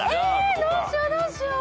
どうしようどうしよう。